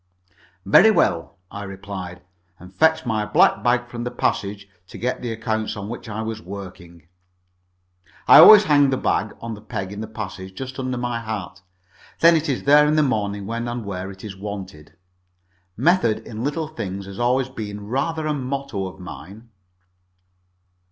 "Very well," I replied, and fetched my black bag from the passage to get the accounts on which I was working. I always hang the bag on the peg in the passage, just under my hat. Then it is there in the morning when and where it is wanted. Method in little things has always been rather a motto of mine.